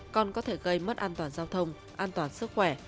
còn có thể gây mất an toàn giao thông an toàn sức khỏe